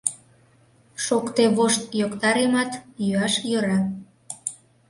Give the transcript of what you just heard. Шокте вошт йоктаремат, йӱаш йӧра...